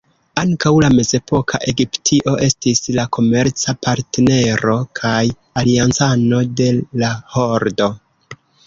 Ankaŭ la mezepoka Egiptio estis la komerca partnero kaj aliancano de la Hordo.